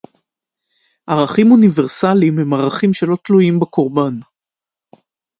ערכים אוניברסליים הם ערכים שלא תלויים בקורבן